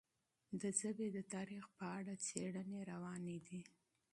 د ژبې د تاریخ په اړه څېړنې روانې دي.